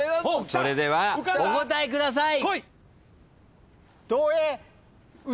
それではお答えください。